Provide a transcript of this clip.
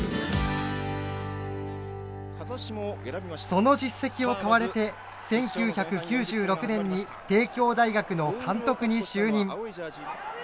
その実績を買われて１９９６年に帝京大学の監督に就任。